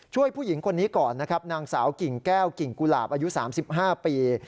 ผู้หญิงคนนี้ก่อนนะครับนางสาวกิ่งแก้วกิ่งกุหลาบอายุ๓๕ปี